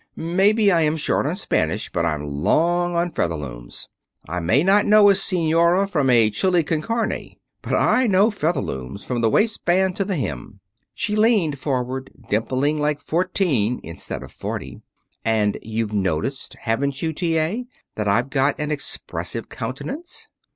"Maybe I am short on Spanish, but I'm long on Featherlooms. I may not know a senora from a chili con carne, but I know Featherlooms from the waistband to the hem." She leaned forward, dimpling like fourteen instead of forty. "And you've noticed haven't you, T. A.? that I've got an expressive countenance."